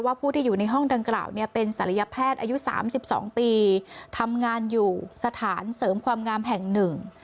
ผู้ที่อยู่ในห้องดังกล่าวเนี่ยเป็นศัลยแพทย์อายุสามสิบสองปีทำงานอยู่สถานเสริมความงามแห่งหนึ่ง